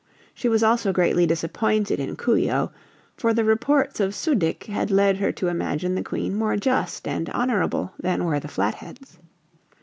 She was also greatly disappointed in Coo ee oh, for the reports of Su dic had led her to imagine the Queen more just and honorable than were the Flatheads.